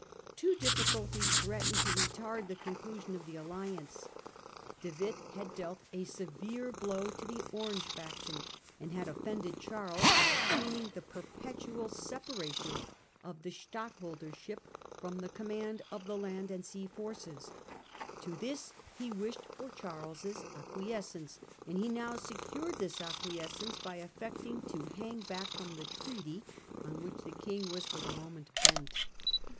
Two difficulties threatened to retard the conclusion of the alliance. De Witt had dealt a severe blow to the Difficulties Orange faction, and had offended Charles, by avoided. obtaining the perpetual separation of the stadt holdership from the command of the land and sea forces. To this he wished for Charles's acquiescence, and he now secured this acquiescence by affecting to hang back from the treaty, on which the King was for the moment bent.